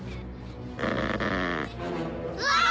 うわ！